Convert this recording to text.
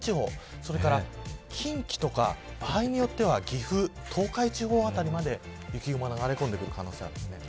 それから近畿とか場合によっては岐阜、東海地方辺りまで雪雲が流れ込んでくる可能性があります。